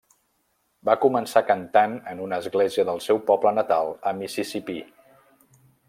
Va començar cantant en una església del seu poble natal a Mississipí.